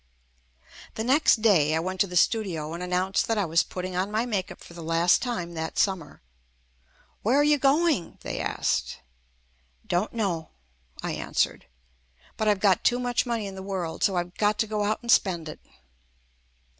The next day I went to the studio and an nounced that I was putting on my makeup for the last time that summer. "Where are you going?" they asked. "Don't know," I an swered. "But I've got too much money in the world, so I've got to go out and spend it."